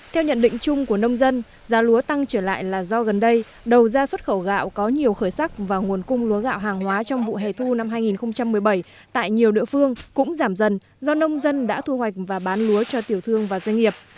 theo nhận định chung của nông dân giá lúa tăng trở lại là do gần đây đầu ra xuất khẩu gạo có nhiều khởi sắc và nguồn cung lúa gạo hàng hóa trong vụ hè thu năm hai nghìn một mươi bảy tại nhiều địa phương cũng giảm dần do nông dân đã thu hoạch và bán lúa cho tiểu thương và doanh nghiệp